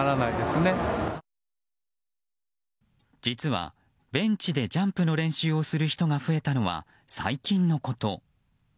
実は、ベンチでジャンプの練習をする人が増えたのは、最近のこと。